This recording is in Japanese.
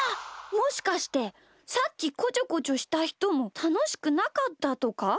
もしかしてさっきこちょこちょしたひともたのしくなかったとか？